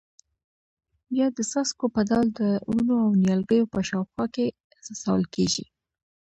بیا د څاڅکو په ډول د ونو او نیالګیو په شاوخوا کې څڅول کېږي.